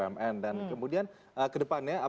bumn dan kemudian ke depannya